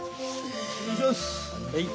はい。